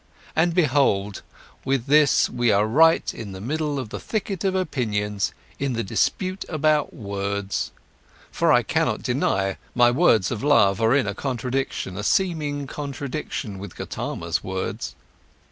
And behold, with this we are right in the middle of the thicket of opinions, in the dispute about words. For I cannot deny, my words of love are in a contradiction, a seeming contradiction with Gotama's words.